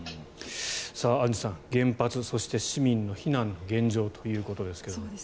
アンジュさん、原発そして市民の避難現状ということですが。